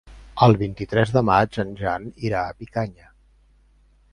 El vint-i-tres de maig en Jan irà a Picanya.